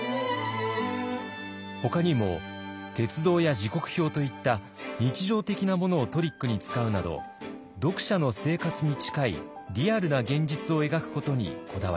ほかにも鉄道や時刻表といった日常的なものをトリックに使うなど読者の生活に近いリアルな現実を描くことにこだわりました。